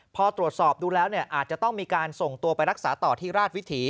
พอตรวจสอบดูแล้วเนี่ยอาจจะต้องมีการส่งตัวไปรักษาต่อที่ราชวิถี